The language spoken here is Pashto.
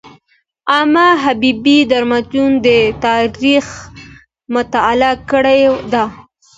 علامه حبیبي د ملتونو د تاریخ مطالعه کړې ده.